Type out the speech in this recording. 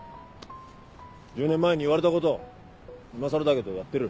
１０年前に言われたこと今更だけどやってる。